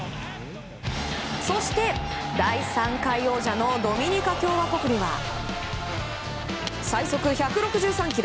そして、第３回王者のドミニカ共和国には最速１６３キロ。